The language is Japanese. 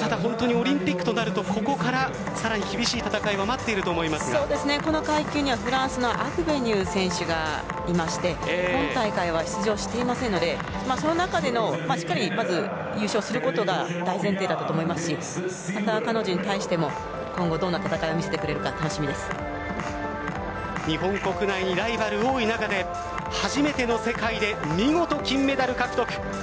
ただ、本当にオリンピックとなるとここからさらに厳しい戦いがこの階級にはフランスのアグベニュー選手がいまして今大会は出場していませんのでその中でもまず優勝することが大前提だと思いますし彼女に対しても今後どんな戦いを見せてくれるか日本国内にライバルが多い中で初めての世界で見事、金メダル獲得。